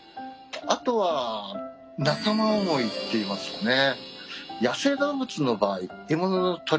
あとは仲間思いっていいますかね。